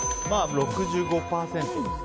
６５％ですね。